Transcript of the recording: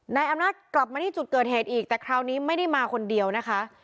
นายอำนาจกลับมาที่จุดเกิดเหตุอีกแต่คราวนี้ไม่ได้มาคนเดียวนะคะ